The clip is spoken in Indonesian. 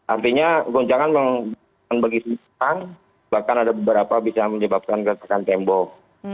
artinya goncangan menggigitkan bahkan ada beberapa bisa menyebabkan kesekan tembok